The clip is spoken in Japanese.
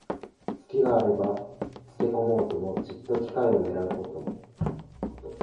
すきがあればつけこもうと、じっと機会をねらうこと。